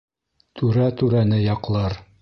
Түрә түрәне яҡлар.